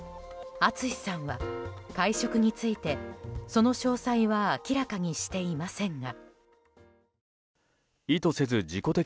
ＡＴＳＵＳＨＩさんは会食についてその詳細は明らかにしていませんが。